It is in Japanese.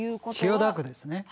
千代田区ですね。